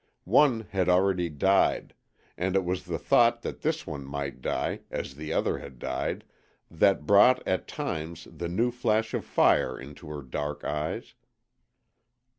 One had already died; and it was the thought that this one might die, as the other had died, that brought at times the new flash of fire into her dark eyes.